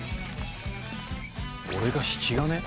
俺が引き金？